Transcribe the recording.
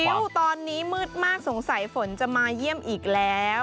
ตอนนี้มืดมากสงสัยฝนจะมาเยี่ยมอีกแล้ว